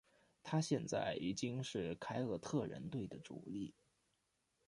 他现在已经是凯尔特人队的主力。